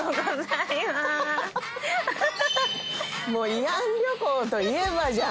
慰安旅行といえばじゃん。